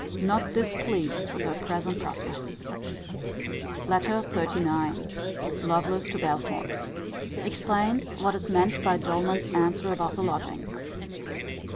Not displeased with her present prospects. LETTER XXXIX. Lovelace to Belford. Explains what is meant by Doleman's answer about the lodgings.